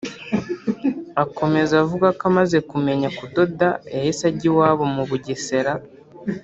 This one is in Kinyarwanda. Akomeza avuga ko amaze kumenya kudoda yahise ajya iwabo mu Bugesera